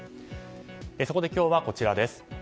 そこで、今日はこちら。